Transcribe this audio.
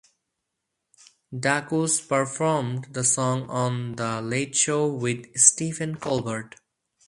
Dacus performed the song on "The Late Show with Stephen Colbert".